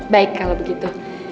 baik kalau begitu